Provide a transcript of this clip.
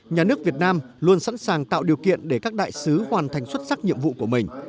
nhà nước việt nam luôn sẵn sàng tạo điều kiện để các đại sứ hoàn thành xuất sắc nhiệm vụ của mình